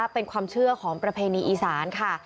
เป็นความเชื่อของประเพณีอีสานค่ะ